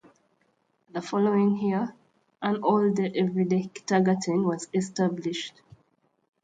The following year, an all-day everyday kindergarten was established.